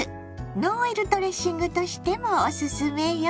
ノンオイルドレッシングとしてもオススメよ。